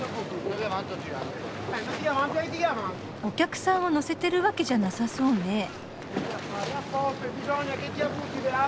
お客さんを乗せてるわけじゃなさそうね？